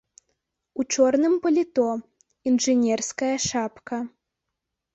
У чорным паліто, інжынерская шапка.